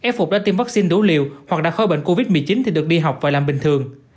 f phục đã tiêm vaccine đủ liều hoặc đã khỏi bệnh covid một mươi chín thì được đi học và làm bình thường